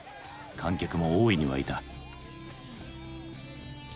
観客も大いに沸いた。